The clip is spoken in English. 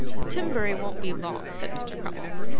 'Timberry won't be long,' said Mr. Crummles.